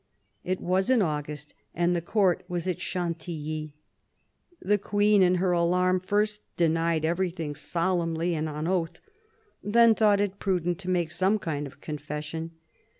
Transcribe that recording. It was in August, and the Court was at Chantilly. The Queen in her alarm first denied everything, solemnly and on oath ; then thought it prudent to make some kind of confession.